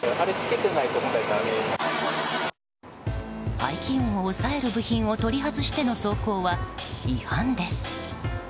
排気音を抑える部品を取り外しての走行は違反です。